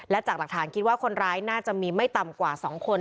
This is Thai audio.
และจากหลักฐานคิดว่าคนร้ายน่าจะมีไม่ต่ำกว่า๒คน